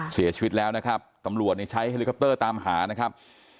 เสียชีวิตแล้วนะครับตำรวจเนี่ยใช้ตามหานะครับ